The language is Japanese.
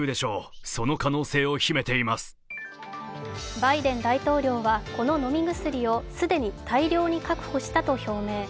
バイデン大統領は、この飲み薬を既に大量に確保したと表明。